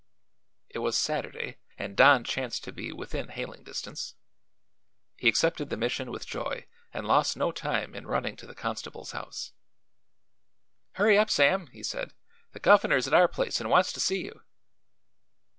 It was Saturday and Don chanced to be within hailing distance. He accepted the mission with joy and lost no time in running to the constable's house. "Hurry up, Sam," he said: "The governor's at our place and wants to see you."